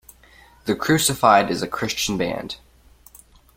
The Crucified is a Christian band.